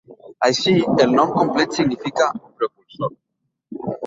Així el nom complet significa "propulsor".